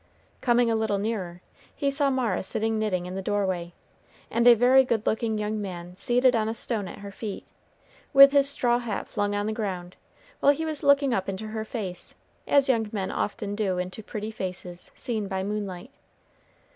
Coming a little nearer, he saw Mara sitting knitting in the doorway, and a very good looking young man seated on a stone at her feet, with his straw hat flung on the ground, while he was looking up into her face, as young men often do into pretty faces seen by moonlight.